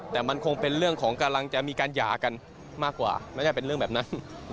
แต่มันคงเป็นเรื่องของกำลังจะมีการหย่ากันมากกว่าไม่ใช่เป็นเรื่องแบบนั้น